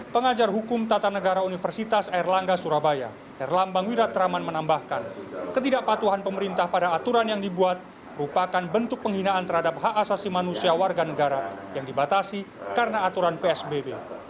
pengajar hukum tata negara universitas airlangga surabaya erlambang wiratraman menambahkan ketidakpatuhan pemerintah pada aturan yang dibuat merupakan bentuk penghinaan terhadap hak asasi manusia warga negara yang dibatasi karena aturan psbb